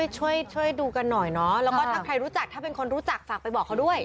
ช่วยช่วยดูกันหน่อยเนาะแล้วก็ถ้าใครรู้จักถ้าเป็นคนรู้จักฝากไปบอกเขาด้วย